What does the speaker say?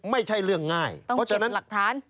ไม่ใช่เรื่องง่ายเพราะฉะนั้นหลักฐาน